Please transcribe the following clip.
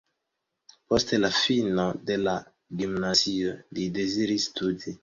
Post la fino de la gimnazio li deziris studi.